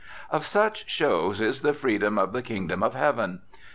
Of such shows is the freedom of the kingdom of heaven.